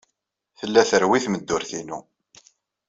Tella terwi tmeddurt-inu.